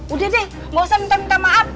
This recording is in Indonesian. udah deh gak usah minta minta maaf